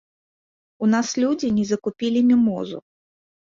У нас людзі не закупілі мімозу.